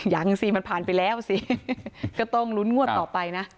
ยังสิมันผ่านไปแล้วสิก็ต้องลุ้นงวดต่อไปนะ